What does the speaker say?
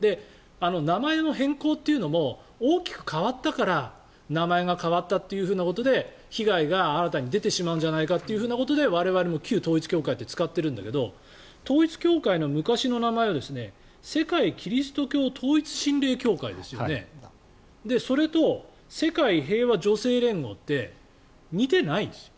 名前を変更というのも大きく変わったから名前が変わったというようなことで被害が新たに出てしまうんじゃないかというふうなことで我々も旧統一教会って使っているんだけど統一教会の昔の名前は世界基督教統一神霊協会ですよねそれと世界平和女性連合って似てないです。